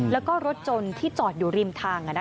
แล้วก็รถยนต์ที่จอดอยู่ริมทาง